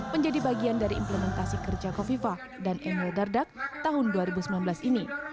menjadi bagian dari implementasi kerja kofifa dan emil dardak tahun dua ribu sembilan belas ini